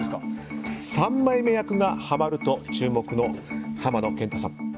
三枚目役がはまると注目の浜野謙太さん。